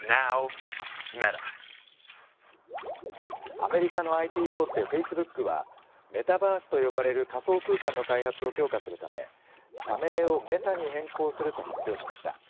アメリカのＩＴ大手、フェイスブックはメタバースと呼ばれる仮想空間の開発を強化するため社名をメタに変更すると発表しました。